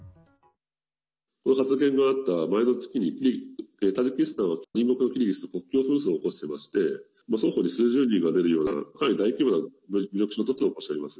この発言があった前の月にタジキスタンは隣国のキルギスと国境紛争を起こしてまして双方で数十人が出るようなかなり大規模な武力衝突を起こしております。